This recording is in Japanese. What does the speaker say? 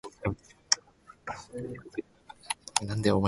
埼玉県坂戸市